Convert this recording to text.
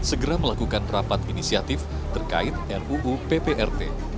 segera melakukan rapat inisiatif terkait ruu pprt